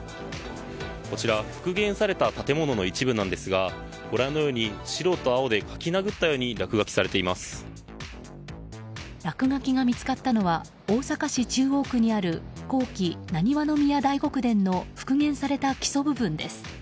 こちら、復元された建物の一部なんですがご覧のように白と青で書きなぐったように落書きが見つかったのは大阪市中央区にある後期難波宮大極殿の復元された基礎部分です。